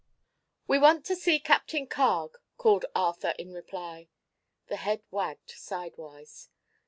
"We want to see Captain Carg," called Arthur, in reply. The head wagged sidewise.